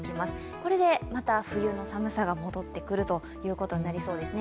これでまた冬の寒さが戻ってくることになりそうですね。